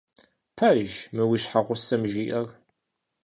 Пэж мы, уи щхьэгъусэм жиӀэр?